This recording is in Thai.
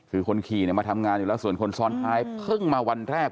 คือคนขี่มาทำงานอยู่แล้วส่วนคนซ้อนท้ายเพิ่งมาวันแรก